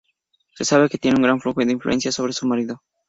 Se sabe que tenía una gran influencia sobre su marido.